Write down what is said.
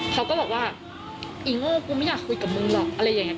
เขาก็บอกว่าอีโง่กูไม่อยากคุยกับมึงหรอกอะไรอย่างนี้